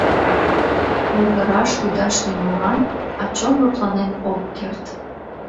Ойгыраш, лӱдаш нимолан, а чон лыпланен ок керт.